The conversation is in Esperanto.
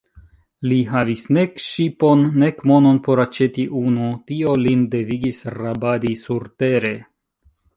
Li havis nek ŝipon, nek monon por aĉeti unu; tio lin devigis rabadi surtere.